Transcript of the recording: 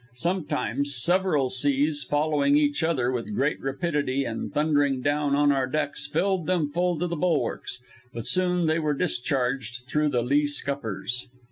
Sometimes several seas following each other with great rapidity and thundering down on our decks filled them full to the bulwarks, but soon they were discharged through the lee scuppers.